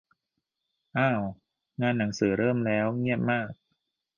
อ้าว งานหนังสือเริ่มแล้ว เงียบมาก